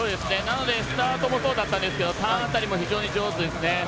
スタートもそうだったんですけどターンも非常に上手ですね。